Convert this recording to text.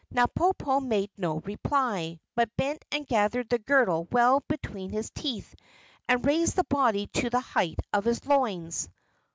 Napopo made no reply, but bent and gathered the girdle well between his teeth, and raised the body to the height of his loins.